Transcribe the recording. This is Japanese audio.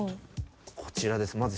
こちらです。